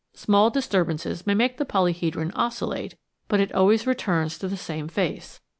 Small disturbances may make the polyhedron oscillate, but it always returns to the same face.